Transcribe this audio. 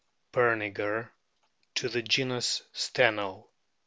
perniger\} to the genus Steno.